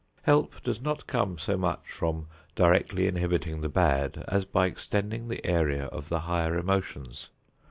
Help does not come so much from directly inhibiting the bad as by extending the area of the higher emotions.